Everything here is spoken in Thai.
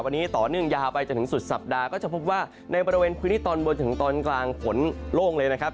วันนี้ต่อเนื่องยาวไปจนถึงสุดสัปดาห์ก็จะพบว่าในบริเวณพื้นที่ตอนบนถึงตอนกลางฝนโล่งเลยนะครับ